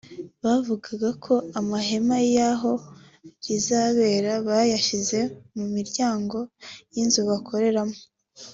bavugaga ko amahema y’aho rizabera bayashyize mu miryango y’inzu bakoreramo